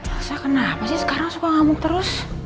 rasa kenapa sih sekarang suka ngamuk terus